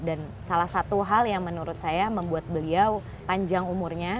dan salah satu hal yang menurut saya membuat beliau panjang umurnya